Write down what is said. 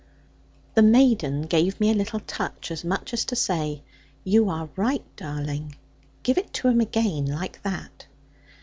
The maiden gave me a little touch, as much as to say, 'You are right, darling: give it to him, again, like that.'